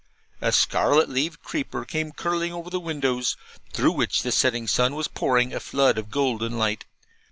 A scarlet leaved creeper came curling over the windows, through which the setting sun was pouring a flood of golden light.